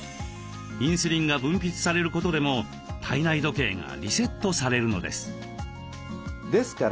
インスリンが分泌されることでも体内時計がリセットされるのです。